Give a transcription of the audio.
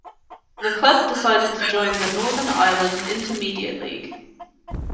The club decided to join the Northern Ireland Intermediate League.